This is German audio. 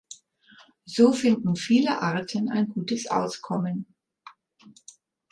So finden viele Arten ein gutes Auskommen.